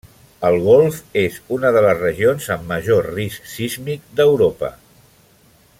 El golf és una de les regions amb major risc sísmic d'Europa.